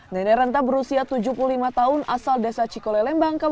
nenek renta berusia tujuh puluh lima tahun asal desa cikolelembang